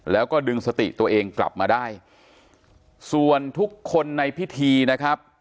แล้วก็ดึงสติตัวเองกลับมาได้ส่วนทุกคนในพิธีนะครับ